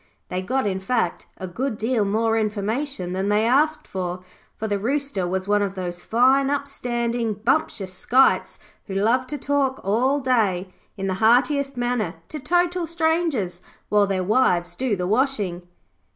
They got, in fact, a good deal more information than they asked for, for the Rooster was one of those fine up standing, bumptious skites who love to talk all day, in the heartiest manner, to total strangers while their wives do the washing.